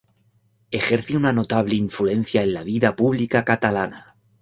Ejerce una notable influencia en la vida pública catalana.